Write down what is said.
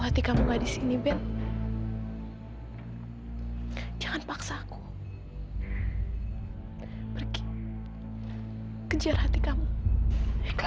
sampai jumpa di video selanjutnya